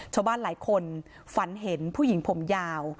ชาวบ้านหลายคนฝันเห็นผู้หญิงผมยาว